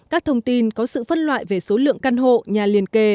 các thông tin có sự phân loại về số lượng căn hộ nhà liên kề